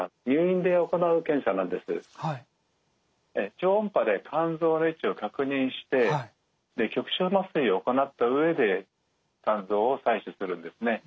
超音波で肝臓の位置を確認して局所麻酔を行った上で肝臓を採取するんですね。